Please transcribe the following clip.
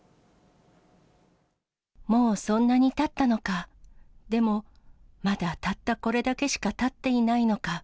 もうそんなにたったのか、でも、まだたったこれだけしかたっていないのか。